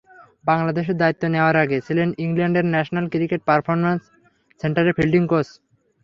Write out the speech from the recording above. বাংলাদেশের দায়িত্ব নেওয়ার আগে ছিলেন ইংল্যান্ডের ন্যাশনাল ক্রিকেট পারফরম্যান্স সেন্টারের ফিল্ডিং কোচ।